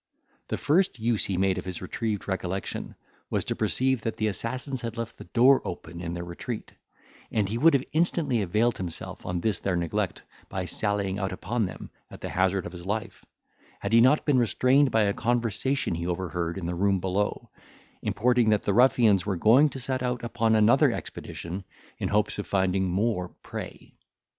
The first use he made of his retrieved recollection, was to perceive that the assassins had left the door open in their retreat; and he would have instantly availed himself of this their neglect, by sallying out upon them, at the hazard of his life, had he not been restrained by a conversation he overheard in the room below, importing, that the ruffians were going to set out upon another expedition, in hopes of finding more prey.